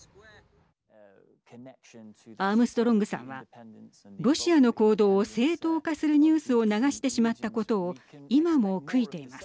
アームストロングさんはロシアの行動を正当化するニュースを流してしまったことを今も悔いています。